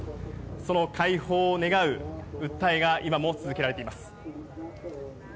その解放を願う訴えが今も続けられています。